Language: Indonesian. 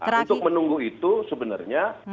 nah untuk menunggu itu sebenarnya